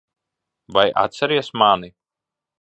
Vai atceries mani?